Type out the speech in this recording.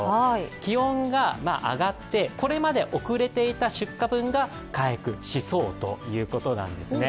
気温が上がって、これまで遅れていた出荷分が回復しそうということなんです。